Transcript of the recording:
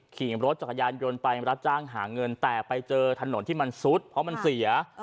ขี่รถจักรยานยนต์ไปรับจ้างหาเงินแต่ไปเจอถนนที่มันซุดเพราะมันเสีย